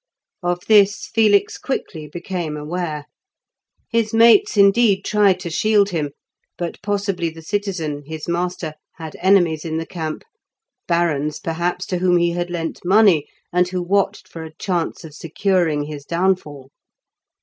Of this Felix quickly became aware. His mates, indeed, tried to shield him; but possibly the citizen, his master, had enemies in the camp, barons, perhaps, to whom he had lent money, and who watched for a chance of securing his downfall.